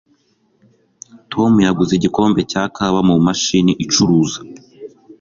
Tom yaguze igikombe cya kawa mumashini icuruza.